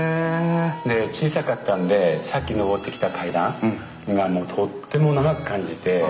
小さかったのでさっき上ってきた階段がとっても長く感じて。